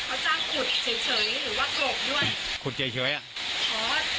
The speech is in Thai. เขาจ้างขุดเฉยเฉยหรือว่ากรกด้วยขุดเฉยเฉยอ่ะอ๋อ